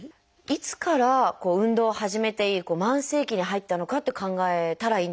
いつから運動を始めていい慢性期に入ったのかと考えたらいいんでしょうか？